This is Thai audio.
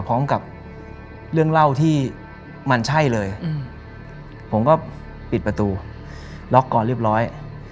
พร้อมกับเรื่องเล่าที่มันใช่เลยผมก็ปิดประตูล็อกก่อนเรียบร้อย